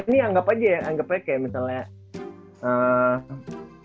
eh ini anggap aja ya anggap aja kayak misalnya eee